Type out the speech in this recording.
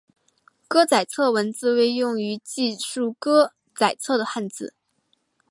歌仔册文字为用于记述歌仔册的汉字。